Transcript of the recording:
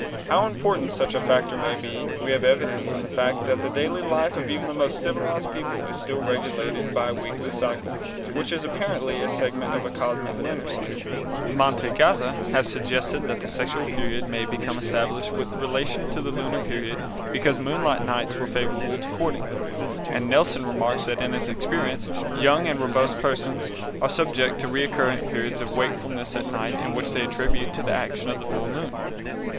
How important such a factor may be we have evidence in the fact that the daily life of even the most civilized peoples is still regulated by a weekly cycle which is apparently a segment of the cosmic lunar cycle. Mantegazza has suggested that the sexual period became established with relation to the lunar period because moonlight nights were favorable to courting, and Nelson remarks that in his experience young and robust persons are subject to recurrent periods of wakefulness at night which they attribute to the action of the full moon.